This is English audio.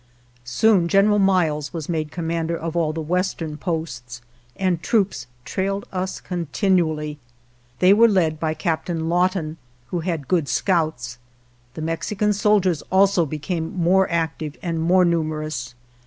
Soon General Miles was made comman der of all the western posts, and troops trailed us continually. They were led by Captain Lawton, who had good scouts. The Mexican 2 soldiers also became more active and more numerous.